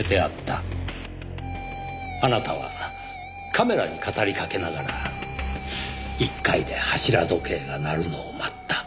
あなたはカメラに語りかけながら１階で柱時計が鳴るのを待った。